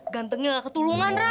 gantengnya nggak ketulungan ra